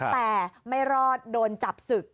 แต่ไม่รอดโดนจับศึก